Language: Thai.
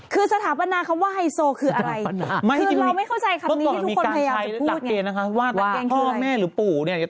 คือใช่ตุ้มตามถึงขนาดกับโหลงไหล